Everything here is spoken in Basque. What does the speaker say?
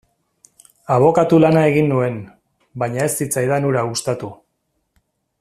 Abokatu lana egin nuen, baina ez zitzaidan hura gustatu.